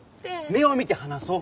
目を見て話そう。